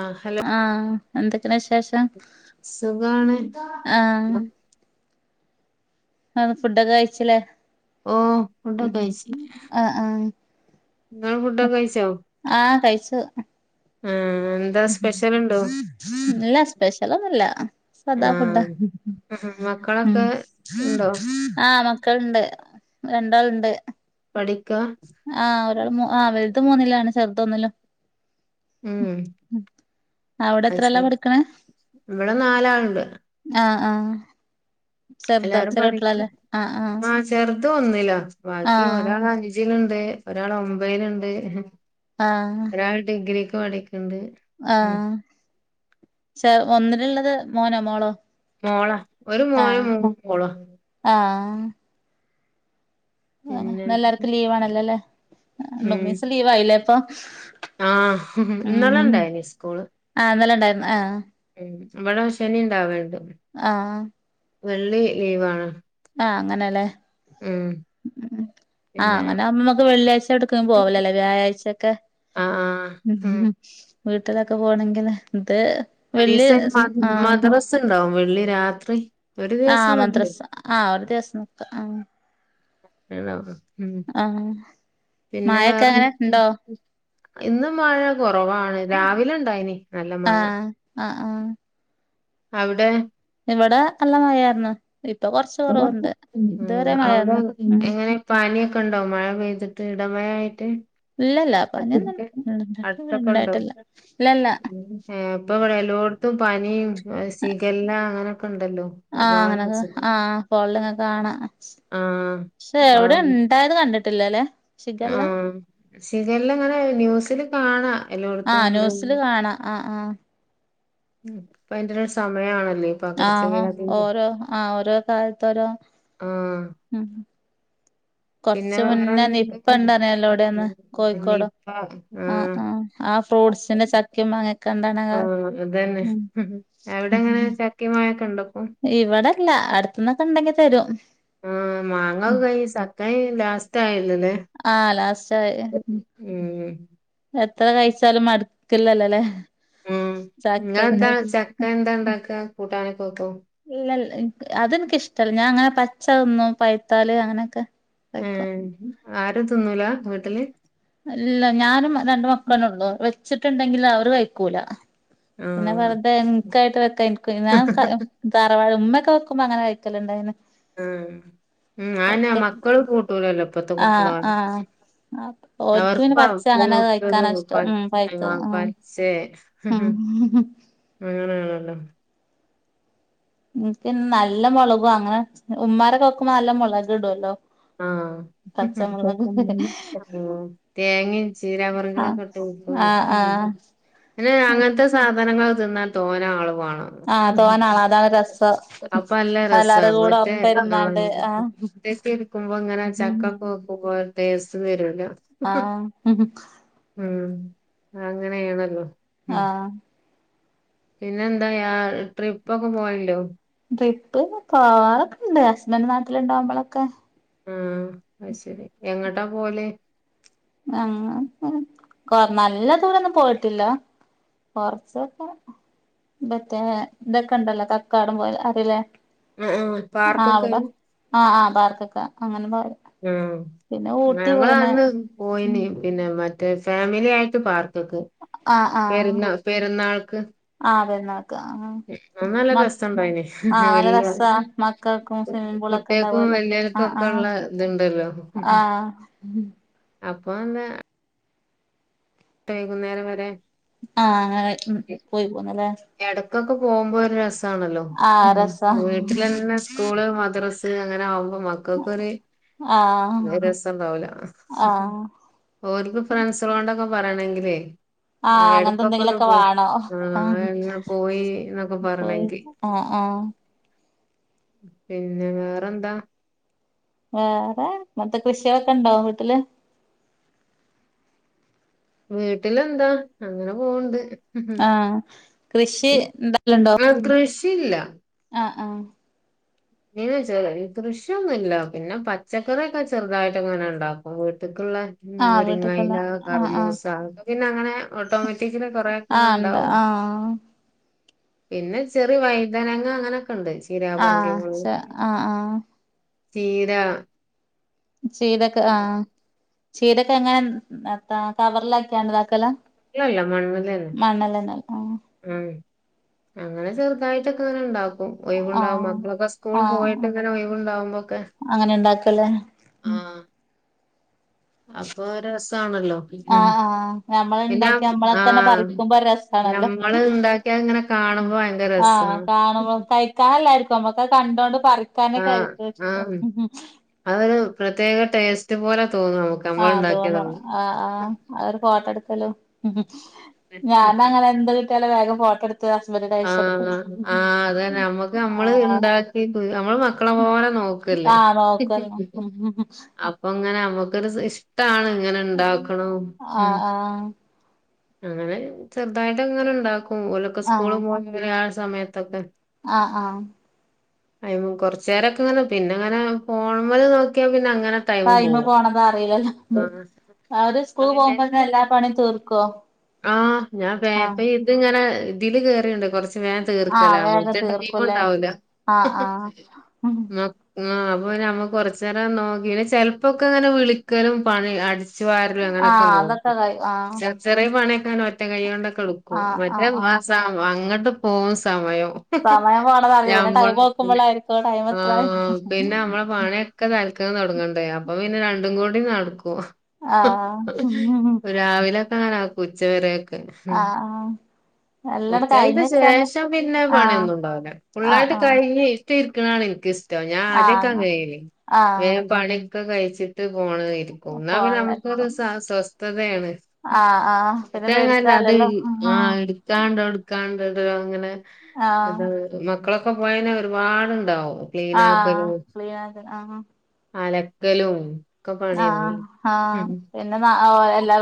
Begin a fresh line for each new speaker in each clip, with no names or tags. ആഹ് hello
ആ എന്തൊക്കാണ് വിശേഷം
സുഖാണ്
ആ ഫുഡൊക്കെ കഴിച്ചല്ലേ
ഓ ഫുഡൊക്കെ
ഉം ആ ആ
നിങ്ങള് ഫുഡൊക്കെ കഴിച്ചോ
ആ
ഉം
ഇല്ല സ്പെഷ്യലൊന്നുല്ലാ സാദാ ഫുഡ്
ആഹ് ആഹ്
ഉം
മക്കളൊക്കെ ഉണ്ടോ
ആ മക്കൾണ്ട് രണ്ടാൾണ്ട്
പഠിക്കാ
ആ ഒരാൾ മൂ ആ വലുത് മൂന്നില് ആണ് ചെറുത് ഒന്നിലും
ഉം
അവിടെ
അത്
എത്രേലാ
ശരി
പഠിക്കണേ
ഇവിടെ നാലാളുണ്ട്
ആ ചെറുദോ ചെറിയകുട്ടികൾ അല്ലെ ആ ആ
അ ഇതൊന്നിലാ ബാക്കി ഒരാൾ അഞ്ചിലൊണ്ട് ഒരാൾ ഒമ്പതിലൊണ്ട്
ആഹ്
ഒരാൾ ഡിഗ്രിക്ക് പഠിക്കു
ആഹ് ച ഒന്നിലുള്ളത് മോനോ മോളോ
മോളാ ഒരു മോനും മൂന്ന് മോളാ
ഉം ആഹ് അ
പിന്നെ
ഇന്നെല്ലാർക്കും ലീവാണല്ലോ അല്ലെ ആ
ഉം
ഡൊമീസ് ലീവായല്ലേ ഇപ്പൊ
ആഹ് ഇന്നലെ
ഉം
ഉണ്ടായിനി സ്കൂള്
ആഹ് ഇന്നലെ ഒണ്ടായിരുന്നു ആഹ്
ഇവിടെ ശനി ഇണ്ടാവലുണ്ട്
ആഹ്
വെള്ളി ലീവാണ്
ആഹ് അങ്ങനല്ലേ
ഉം
ഉം ആഹ്
പിന്നെ
അങ്ങന നമ്മക്ക് വെള്ളിയാഴ്ച എടുക്കാൻ പോവലല്ലേ വ്യാഴാഴ്ചൊക്കെ
ആഹ് ആഹ് ഉം
വീട്ടിലക്ക പോണങ്കിലേ
പലീസേന്ന് പ മദറസ ഉണ്ടാവും വെള്ളി രാത്രി ഒരു ദിവസം
ആഹ്
നിക്കും
മദ്രസ ആഹ് ഒരു ദിവസം നോക്കാ ആഹ്
[unintelligible] ഉം
ആഹ്
പിന്നെ
മഴൊക്കെ അങ്ങനെ
വേറെന്ത്
ഉണ്ടോ
[unintelligible] ഇന്ന് മഴ ന്ന് കൊറവാണ് രാവിലെ ഉണ്ടായിനി നല്ല മഴ
ആഹ് ആഹ് ആഹ്
അവിടെ
ഇവടെ നല്ല മഴയാര്ന്ന്
ആഹ് അവിട
മഴയായിരുന്നു ഉം
എങ്ങനെ പാനിയൊക്ക് ക്കൊണ്ടോ മഴ പെയ്തിട്ട് ഇടമഴ ആയിട്ട്
ഇല്ലല്ല പനിയൊന്നും
[unintelligible] അടുത്തക്ക ഒണ്ടോ
ഉണ്ടായിട്ടില്ല ഇല്ലല്ല
ഏ ഇപ്പൊ ഇവടെ എല്ലോടത്തും പനിയും സിക എല്ലാം അങ്ങന
ആഹ് അങ്ങനക്ക ആഹ് പൊള്ള് ങ്ങ് കാണാം
ആഹ്
ക്ഷെ എവിടെ
ആഹ്
ഒണ്ടായത് കണ്ടിട്ടില്ലല്ലെ
ആഹ് സിക എല്ലാം ഇങ്ങനെ ന്യൂസില് കാണാം എല്ലോടത്തും
ആഹ്
ഉണ്ട്
ന്യൂസില് കാണാ ആഹ്
മ് ഇപ്പ അയ്ന്റെ ഒരു സമയാണൽ
ആഹ ഓരോ ആഹ് ഓരോ കാലത്ത് ഓരോ
ആഹ് പിന്നെ
കൊറച്ച് മുന്നേ നിപ്പ
വേറെന്ത്
ഇണ്ടറിഞ്ഞല്ലോ ഇവിടെന്ന് കോഴിക്കോടോ
നിപ്പ ആ
ആഹ് ആഹ് ആ ഫ്രൂട്ട്സിന്റെ ചക്കയും മാങ്ങൊക്കെ ഇണ്ടാവ്ണ
ആ
കാല
അതന്നെ
ഉം
അവിടെങ്ങനെ ചക്കേം, മാങ്ങേക്ക
ഇവടല്ല അട്ത്ത്ന്നക്ക ഉണ്ടങ്കി തരും മ്
ആഹ് മാങ്ങ കൈ സക്ക ലാസ്റ്റ് ആയ്
ആഹ് ലാസ്റ്റായി എ
ഉം
മ്എത്ര കഴിച്ചാലും മടു ക്കില്ലല്ലെ
ഉം ഇങ്ങളെന്താണ് ചക്ക എന്താ ഉണ്ടാക്ക്ആ കൂട്ടാന്
ഇല്ലൽ എന്ക്ക് അതെനിക്കിഷ്ടല്ല ഞാൻ അങ്ങനെ പച്ച ഒന്നും പയ്ത്താല് അങ്ങന ഒക്കെ പഴ്ക്കോ
ഏഹ് ആരും തിന്നൂല വീട്ടില്
അല്ല ഞാനും രണ്ട് മക്കളന്ന ഒള്ളൂ വെച്ചിട്ടുണ്ടെങ്കിൽ അവർ കഴിക്കൂല അ പിന്നെ
ആഹ്
വെുതെ എന്ക്കായിട്ട് വെക്കാ എനിക്കു വയ്യ നാൻ കളും ധാരാവാളം ഉമ്മേക്ക വെക്ക് ക്കുമ്പ അങ്ങന കഴിക്കലുണ്ടായിന്
ആഹ് ആഎന്ന മക്കളും കൂട്ടൂലല്ലോ ഇപ്പത്തെ
ആഹ്
കുട്ടികളാരും
ആഹ്
മ്
ഓൽക്ക്
അവർക്കു
പിന്നെ പച്ച അങ്ങനെ കഴിക്കാനാ ഇഷ്ടം ഉം പഴുത്തത് ആഹ്
[unintelligible]
ഉം
അങ്ങനെയാണല്ലോ
നിക്ക് നല്ലമൊളകും അങ്ങനെ ഉമ്മാരൊക്കെ വെക്കുമ്പോ നല്ല മൊളക് ഇടു അല്ലോ
ആഹ് തേങ്ങയും
ആ
ചീരമൃങ്ങളൊക്കെ ഇട്ട്
ആ ആ
പിന്നെ അങ്ങനത്തെ സാധനങ്ങൾ തിന്നാൽ തോനെ ആള് വാണം
ആ തോനാള അതാണ് രസം
അപ്പൊ
എല്ലാരും
നല്ലരസാണ്
കൂടെ
മറ്റേ
ഒപ്പ
ആ
ഇരുന്നാണ്ട് ആ
ടേസ്റ്റേതിരിക്കുമ്പോ ഇങ്ങനെ ചക്കൊക്കെവാക്കുമ്പോ ടേസ്റ്റ് വരുല്ലോ
ആഹ്
അങ്ങനെയെന്നള്ളൂ
ആഹ്
പിന്നെന്താ യാ ട്രിപ്പൊക്കെ പോയല്ലോ
ട്രിപ്പ് പോകാറൊക്ക്ണ്ട് ഹസ്ബന്റ് നാട്ടിലുണ്ടാവുമ്പളൊക്കെ
ആഹ് അത്ശെരി എങ്ങട്ടാ പോവല്
ഞങ്ങ ഇങ്ങനെ നല്ല ദൂരൊന്നും പോയിട്ടില്ല കൊറച്ചൊക്ക മറ്റേ ഇതൊക്ക്ണ്ടല്ലോ കക്കാടം പൊയ അറിയില്ലേ
ആ ആഹ്
ആ
പാർക്കൊക്കെ
അവിടെ ആ ആ പാർക്കൊക്കെ അങ്ങനേം പറയാം
ഉം ഞങ്ങളന്ന് പോയിന് പിന്നെ മറ്റ റ്റേ ഫാമിലിയായിട്ട് പാർക്ക്ക്ക്
ആഹ് ആഹ്
പെരുന്നാ പെരുന്നാൾക്ക്
ആഹ് പെരുന്നാൾക്ക് ആഹ് മ
അത്നല്ലരസുണ്ടായിഞ്ഞ്
ആഹ് നല്ല
വല്യ
രസാ മക്കൾക്കും സ്വിമ്മിംഗ് പൂളൊക്കെ
കുട്ടികൾക്കും
ഉണ്ടാവുമല്ലോ
വല്യർക്കും
ആഹ് ആഹ്
ഒക്കുള്ള ഇത്ണ്ടല്ലോ
ആഹ്
അപ്പൊ എന്താ വൈകുന്നേരം വരെ
ആഹ് അങ്ങനെ പോയി വന്നല്ലാ
ഇടക്കൊക്കെ പോകുമ്പോ ഒരു രസാണല്ലോ
ആഹ് രസാ
വീട്ടിലെന്നെ സ്കൂള് മദ്രസ അങ്ങനെ ആകുമ്പോ മക്കൾക്കൊര്
ആഹ്
രസംണ്ടാവൂല
ആഹ്
ഒര്ക്കും ഫ്രണ്ട്സ്കളോണ്ടൊക്കെ പറണെങ്കിലേ
ആഹ് അങ്ങനത്തെ
എടക്കൊക്കൊന്ന്
എന്തെങ്കിലുമൊക്കെ
പോ
വേണോ ആഹ്
ഇങ്ങനെ പോയിന്നൊക്കെ
പോയി
പറയണെങ്കി
ആഹ് ആഹ്
പിന്നെ വേറെന്താ
വേറെ മറ്റേ കൃഷിയൊക്ക്ണ്ടാ വീട്ടില്
വീട്ടിലെന്താ അങ്ങനെ പോവണ്ട്
ആഹ് കൃഷി ഉണ്ടാക്കലുണ്ടോ
ആ കൃഷിയില്ല
ആഹ് ആഹ്
[unintelligible] കൃഷിയൊന്നുല്ല പിന്നെ പച്ചക്കറിയൊക്കെ ചെറുതായിട്ട്ങ്ങനെ ഇണ്ടാക്കും വീട്ടില് ക്കുള്ള
ആഹ് വീട്ടിക്കുള്ള
മുരിങ്ങയില
ആഹ് ആഹ്
കറ്മൂസ പിന്നങ്ങനെ ഓട്ടോമാറ്റിക്കലി
ആഹ്
കുറെയക്ക്ങ്ങ്ണ്ടാവും
ഉണ്ട് ആഹ്
പിന്നെ ചെറിയ വൈതനങ്ങ അങ്ങനൊക്ക്ണ്ട് ചീരാപറുങ്കി
ആഹ് ച
[unintelligible]
ആഹ് ആഹ്
ചീര
ചീരൊക്കെ ആഹ് ചീരൊക്കെങ്ങനാ നെത്താ കവറിലാക്കിയോണ്ടാക്കല
അല്ലല്ല മണ്ണിലെന്നെ
ആഹ്
ഉം അങ്ങനെ ചെറുതായിട്ടൊക്കെ അങ്ങനെ ഉണ്ടാകും ഒയിവ്ണ്ടാകുമ്പോ
ആഹ്
മക്കളൊക്കെ
ആഹ്
സ്കൂള്പോയിട്ട്ങ്ങനെ ഒയിവുണ്ടാവുമ്പോക്കെ
ഉം
അപ്പൊ ഒരസാണല്ലോ
ആഹ് ആഹ് ഞമ്മള്
പിന്നെ
ഇണ്ടാക്കി നമ്മളെ തന്നെ
ആഹ്
പറിക്കുമ്പോ ഒരു രസാണല്ലോ
ഞമ്മള്ണ്ടാക്കിയാ ഇങ്ങനെ കാണുമ്പോ ഭയങ്കര
ആഹ്
രസാണ്
കാണുമ്പോ കഴിക്കാനല്ലായിരിക്കും നമ്മക്ക് കണ്ടോണ്ട്
ആ
പറിക്കാനൊക്കെ ആയിരിക്കും
ആ
ഇഷ്ടം
അവൊരു പ്രത്യേക ടേസ്റ്റ് പോലെ തോന്നും നമുക്ക്
ആ
നമ്മൾ
തോന്നുണു
ഉണ്ടാക്കിയതാവും
ആ ആ അവര് ഫോട്ടെട് ത്തല്ലോ ഞാനങ്ങനെ എന്ത്‌ കിട്ടിയാലും വേഗം ഫോട്ടെട്
ആഹ് ആ അതന്നെ നമ്മുക്ക് നമ്മള്
ആഹ്
ഇണ്ടാക്കി നമ്മള് മക്കളെപോലെ നോക്കല്ലേ
ആഹ് നോക്കന്ന്
അപ്പൊങ്ങനെ നമ്മുക്കൊരു ഇഷ്ടാണ് എങ്ങനെ ഇണ്ടാക്കണം
ആഹ് ആഹ്
അങ്ങനെ ചെറുതായിട്ട് അങ്ങനെണ്ടാക്കും ഓലൊക്കെ സ്കൂള്
ആഹ്
പോയിവര്യാ സമയത്തൊക്കെ
ആഹ് ആഹ്
അയ്മ കൊറച്ചേരൊക്കെ അങ്ങനെ പിന്നെ അങ്ങനെ ഫോണ്മ്മേലെ നോക്കിയാ പിന്ന
പൈമേ പോണതറീലല്ലോ അവര് സ്കൂൾ
ആഹ്
പോവുമ്പന്നെ എല്ലാ പണിം തീർക്കോ
ആഹ് ഞാൻ പേപ്പ
ആഹ്
ഇത്ങ്ങനെ തില് കേറ്ണ്ട് കൊർച്ച് വേ തീർക്കല
ആഹ് വേഗം
മറ്റേ ഒഴിവ്
തീർക്കുംല്ലേ
ണ്ടാവൂല ഹ്
ആഹ് ആഹ്
മ മാ പ്പോ ഞമ്മക്കൊറച്ചേരം നോക്കി യ്ന് ചെൽപ്പോക്കെ ങ്ങനെ വിളിക്കലും പണി അടിച് ച്ച് വാരലും അങ്ങനൊക്കെ
ആഹ് അതൊക്കെ
നോക്കും.
കഴിയും ആഹ്
പണ്യോക്കെ ങ്ങനെ ഒറ്റ കൈയ്യോണ്ടൊക്കെ എടുക്കും.
ആഹ്
മറ്റേ
ആഹ്
ആ
ആഹ്
സ അങ്ങട്ട് പോകുന്ന സമയം
സമയം പോണത് അറിയില്ല പിന്നെ
ഞമ്മൾ
ടൈം
പിന്നെ
നോക്കുമ്പോളായിരിക്കും ടൈം എത്രായി
ആഹ് പിന്നമ്മളെ പണിയൊക്കെ തൽ ക്കന്നൊട്ങ്ങണ്ടേ അപ്പൊ പിന്നെ രണ്ടും കൂടി നടക്കും
ആഹ്
രാവില നാക്കുച്ചവരെക്ക
ആഹ് എല്ലാണ്ട്
ഉച്ചന്റെ
കഴിഞ്ഞ് വെച്ചാണ്ട്
ശേഷം പിന്നെ
ആഹ്
പണ്യോന്നുണ്ടാവൂല ഫുള്ളായിട്ട്
ആഹ്
കയിഞ്ഞ് ട്ടിര്ക്ക്ണാണിൻക്കിഷ്ടം ഞാൻ
ആഹ് ആഹ്
ആദ്യൊക്കങ്ങനേനി
ആഹ്
വേം പണ്യോക്കെ കൈച്ചിട്ട് ഫോണ് ഇര്ക്കും എന്നാ പിന്നെ നമുക്കൊരു
ഫോണിലായിരിക്കും
സ സ്വസ്ഥതയാണ്.
ആഹ് ആഹ് പിന്നെ
ഇപ്പേങ്ങല്ലത്
പേടിക്കാല്ലല്ലോ
ആ ഇട്ക്കാണ്ടോ ഇട്ക്കാണ്ടല്ലോ അങ്ങനെ
ആഹ്
മക്കളൊക്കെ പോയയ്ഞാ ഒരുപാട്ണ്ടാവും
ആഹ്
ക്ലീനാക്കലും
ക്ലീനാക്ക ആഹ്
അലക്കലും ഒക്കെ
ആഹ്
പണിയന്നെ
ആഹ്
ഉം
പിന്നെ നാ ഏ എല്ലാ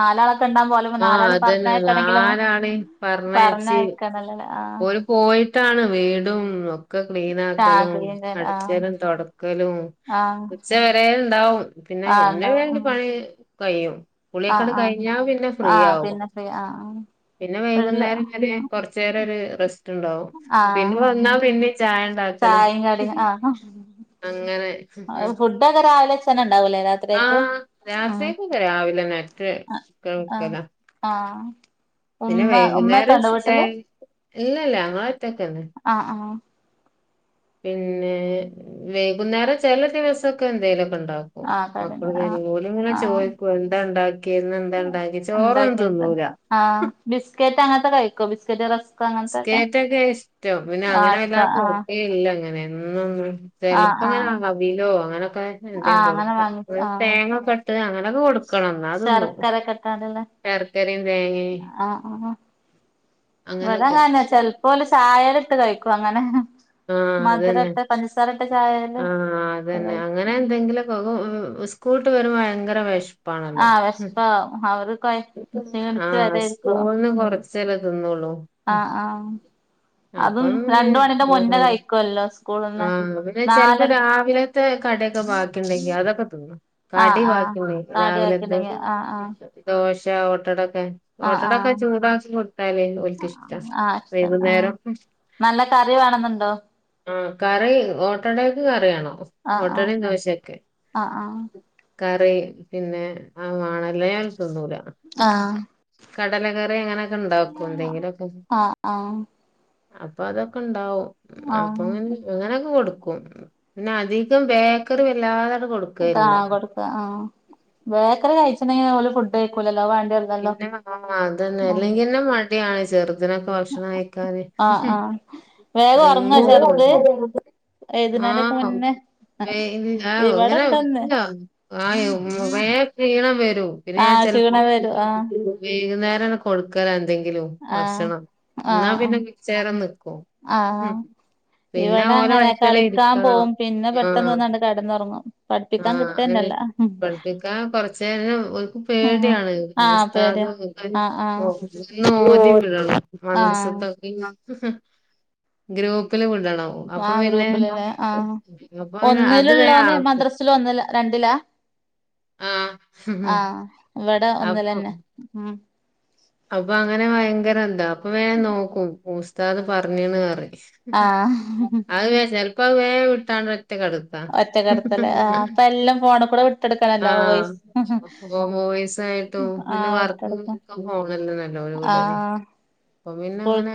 നാലാളെ തെണ്ടാൻ പോയാലു പ്പ
ആഹ്
നാലാളീം
അതന്നെ
പറഞ്ഞക്കണെങ്കിലും
നാലാളീം
പർഞ്ഞയക്കണലേ
ഓൽ പോയിട്ടാണ് വീടും ക്കെ ക്ലീൻ
ആഹ്
ആക്കലും
ക്ലീൻ ചെയ്യാൻ ആഹ്
അട്ച്ചലും തൊട്ക്കലും
ആഹ്
ഉച്ച വരെ ണ്ടാവും. പിന്നെ
ആഹ്
പിന്നെ
ഉണ്ടാവും
ങ്ങൻണ്ട്
ഉം
പണി കയ്യും
ആഹ്
കുള്യോക്കാണ്ട്
ആഹ്
കൈഞ്ഞാ പിന്നെ
ആഹ്
ഫ്രീയാവും
പിന്നെ ഫ്രീ ആഹ് ആഹ്
പിന്നെ
വീട്ടില്
വൈകുന്നേരം വരെ കൊർച്ചേരൊര് റെസ്റ്റ് ണ്ടാവും പിന്നെ
ആഹ്
വന്നാ പിന്നിം ചായ ണ്ടാക്കലും
ചായിം കടിം ആഹ്
അങ്ങനെ
രാവിലെച്ചെന്നെ ണ്ടാവു ലേ രാത്രികക്ക്
ആഹ് രാത്രിക്കൊക്കെ രാവിലെ നേർത്തെ ക്കെ വെക്കല.
ആഹ് ആഹ്
പിന്നെ
ഉമ്മ
വൈകുന്നേരം
ഉമ്മക്കെണ്ടോ
ച്ചെ
വീട്ടില്
ല്ല ല്ല ങ്ങൾ
ആ ആഹ്
പിന്നെ വൈകുന്നേരം ചെല ദിവസൊക്കെ ന്തേലും ണ്ടാക്കും.
ആഹ് കടണ്ട്
മക്കള്
ആഹ്
വരും ഓൽങ്ങനെ
ആഹ്
ചോയ്ക്കും ന്താ ണ്ടാക്ക്യേ ന്ന് ന്താ ണ്ടാക്ക്യേ ചോറൊന്നും ത്
ആ ബിസ്ക്കറ്റങ്ങത്തൊക്കെ കൈക്കൊ ബിസ്ക്കറ്റ് റസ്
ബിസ്കേറ്റൊക്കെ ഇഷ്ടം പിന്നെ
ആഹ്
അങ്ങനെ
അച്ച
വല്ലാ
ആഹ്
കൊട്ക്കേ ല്ല ങ്ങനെ എന്നൊന്നും
ആഹ്
ചെല്പ്പങ്ങനെ
ആഹ്
അവിലോ അങ്ങനൊക്കെ എന്തേം
ആഹ് അങ്ങനെ
കൊടുക്ക
വാങ്ങി ആഹ്
തേങ്ങൊക്കെട്ട് അങ്ങ അത് കൊടുക്കണം ന്നാ തിന്നും
ശർക്കരക്കെ ഇട്ടാണ്ട്ല്ലേ
ശർക്കരിംതേങ്ങിമ് അങ്ങനെ
ങ്ങന്നെ ചെല് പോല് ചായേല്ട്ട് കഴിക്കും അങ്ങനെ
ആഹ് അതെന്നെ
മധുരട്ട് പഞ്ചസാരട്ട് ചായേല്
ആഹ് അതെന്നെ അങ്ങനെ
കഴിക്കും
ന്തെങ്കിലൊക്ക [unintelligible] സ്കൂൾട്ട് വരുമ്പോ ഭയങ്കര വെഷ്
ആഹ് വെഷ്പ അവര് കൊയ ക്ഷീണിച്ച്
ആഹ് സ്കൂൾന്ന് കൊർച്ചല്ലെ തിന്നൊള്ളു
ആ ആഹ് അതും
അപ്പം പിന്നെ
രണ്ട് മണിന്റെ മുന്നേ കഴിക്കുവല്ലോ
ആ
സ്കൂളിന്ന്
പിന്നെ ചില്പ്പോ
നാലര
രാവിലത്തെ കട്യോക്കെ ബാക്കിണ്ടെങ്കി അതൊക്കെ തിന്നും
ആഹ്
കടി
ആഹ്
ബാക്കിണ്ടെങ്കി
കാടി
രാവിലെത്തെ
ആക്കിണ്ടെങ്കി
ദോ
ആഹ്
ദോശ ഓട്ടട ക്കെ
ആഹ്
ഓട്ടടൊക്കെ
ആഹ്
ചൂടാക്കി കൊടുത്താലേ ഓൽക്കിഷ്ട
ആഹ് ആഹ് ഇഷ്ട ആഹ്
വൈകുന്നേരം
നല്ല കറി വേണെന്ന്ണ്ടോ
ആ കറി ഓട്ടടേക്ക് കറിയാണം
ആഹ് ആഹ്
ഓട്ടടിം ദോശ്യോക്കെ
ആഹ്
കറി പിന്നെ ആ വാണല്ലെ ഞാൻ ത് ന്നൂല
ആഹ് ആഹ്
കടലകറി അങ്ങനൊക്കെ ണ്ടാക്കും ന്തെങ്കിലൊക്കെ
ആ
അപ്പ അതൊക്കെ ണ്ടാവും അപ്പങ്ങന ക്കെ കൊടുക്കും പിന്നെ അധികം ബേക്കറി വല്ലാത
കാ കൊട്ക്കാ ആ ബേക്കറി കഴിച്ചിന്നേൽ ഓല് ഫുഡ് കഴക്കൂ
പിന്നെ ആ അതന്നെ
ഉം
അല്ലെങ്കിന്നെ മടിയാണ് ചെർ ഇത്നൊക്കെ ഭക്ഷണം കഴക്കാന്
ആഹ് ആഹ്
ഭയങ്കര
ഏതിനാലൊക്കെ
ആഹ്
മുന്നെ
[unintelligible] വേം ക്ഷീണം വരും പിന്നെ
ആഹ്
ചെല് പ്പോ
ക്ഷീണം വരും ആഹ്
വെയ്കുന്നേരാണ് കൊടുക്കലന്തെങ്കി ലും
ആഹ്
ഭക്ഷണം ന്നാ
ആഹ്
പിന്നെ വിച്ചേരം നിക്കും
ആഹ്
പിന്നെ
ഇവിടെ
ഓരോ
അങ്ങനെ
[unintelligible]
കളിക്കാൻ
ഇരിത്തണം
പോവും പിന്നെ
ആ
പെട്ടെന്ന് വന്നാണ്ട് കെടന്നൊറങ്ങും
ആ
പഠിപ്പിക്കാൻ കിട്ടന്നല്ല
പഠിപ്പിക്കാ കൊറ്ചെരം ഓര്ക്ക്
ആഹ്
പേടിയാണ്
ആഹ്
ഉസ്താ
പേടിയാ ആഹ് ആഹ് ആഹ്
[unintelligible] ഹ് ഹ് ഗ്രൂപ്പ് ഗ്രൂപ്പില് വിടണം അപ്പൊ
ആഹ്
പിന്നെ
ഗ്രൂപ്പിലല്ലേ ആഹ്
അപ്പൊ പിന്നെ അത് വേഗം -
[unintelligible] ഒന്നിലാ രണ്ടിലാ ആ
ആഹ്
ഇവിടെ ഒന്നിലന്നെ ഉ
അപ്പ അങ്ങനെ ഭയങ്കര എന്താ പ്പവേ നോക്കും ഉസ്താദ് പറഞ്ണ് റിം
ആഹ്
അഹ് വേ ചെല് പ്പ വേ വിട്ടാണ്ട് കെടത്താ
ഒറ്റക്കടത്തല് ആ തല്ലും ഫോണ്കൂടെ വിട്ടട്
ആ ഗോമൂവീസായിട്ടും പിന്നെ വർക്കും [unintelligible]
ആ
അപ്പ പിന്നെങ്ങനെ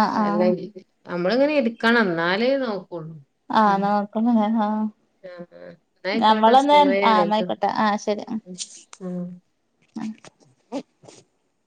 ആഹ് ആഹ്
നമ്മള്ങ്ങനെ ഇര്ക്കണം എന്നാലേ നോക്കുള്ളൂ
ആഹ് നോക്കുന്നുണ്ട് ആഹ്
എന്നാ അയ്ക്കോട്ടെ
നമ്മളൊന്ന് ആഹ്
സമയായിട്ടോ
ന്നായിക്കോട്ടെ
ആ
അ [unintelligible]